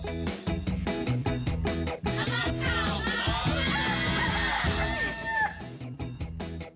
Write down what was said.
อารักของเรารับมา